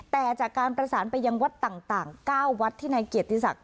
แต่จากการประสานไปยังวัดต่าง๙วัดที่นายเกียรติศักดิ